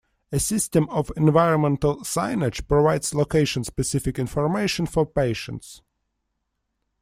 A system of environmental signage provides location-specific information for patients.